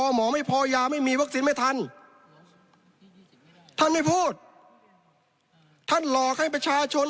หมอไม่พอยาไม่มีวัคซีนไม่ทันท่านไม่พูดท่านหลอกให้ประชาชน